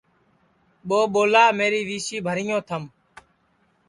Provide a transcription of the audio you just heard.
ٻو ٻولا میری وی سی بھریو تھم